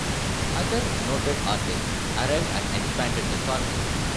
Other noted artists arrived and expanded the colony.